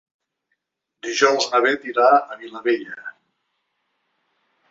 Dijous na Beth irà a la Vilavella.